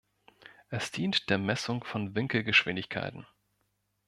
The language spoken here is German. Es dient der Messung von Winkelgeschwindigkeiten.